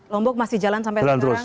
lombok masih jalan sampai sekarang